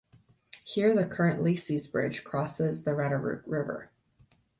Here the current Lacy's Bridge crosses the Retaruke River.